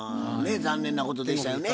残念なことでしたよね。